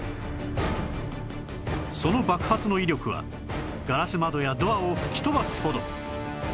その爆発の威力はガラス窓やドアを吹き飛ばすほど